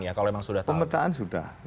ya kalau memang sudah pemetaan sudah